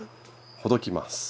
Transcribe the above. ほどきます！